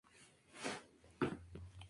Tuvo muchas críticas negativas.